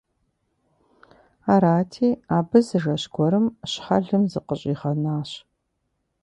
Арати, абы зы жэщ гуэрым щхьэлым зыкъыщӀигъэнащ.